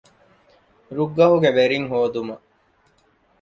ރުއްގަހުގެ ވެރިންހޯދުމަށް